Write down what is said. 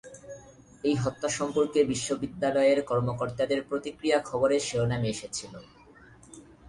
এই হত্যা সম্পর্কে বিশ্ববিদ্যালয়ের কর্মকর্তাদের প্রতিক্রিয়া খবরের শিরোনামে এসেছিল।